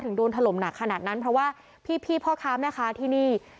โดนถล่มหนักขนาดนั้นเพราะว่าพี่พ่อค้าแม่ค้าที่นี่